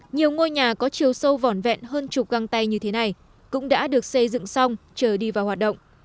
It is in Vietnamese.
nhiều ngôi nhà có chiều sâu vỏn vẹn hơn chục găng tay như thế này cũng đã được xây dựng xong chờ đi vào hoạt động